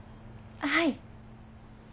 はい。